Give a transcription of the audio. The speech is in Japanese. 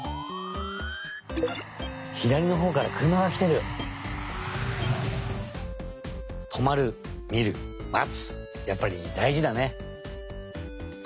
ひだりのほうからくるまがきてる！とまるみるまつやっぱりだいじだね。